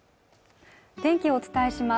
天気をお伝えします